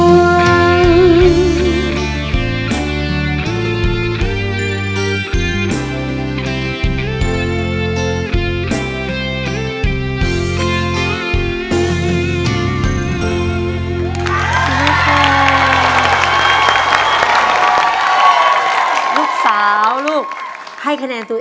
ให้พระบาทข้าดีก็เลยสู้